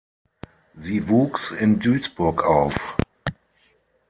Sie wuchs in Duisburg auf.